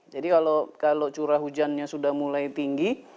jadi kalau curah hujannya sudah mulai tinggi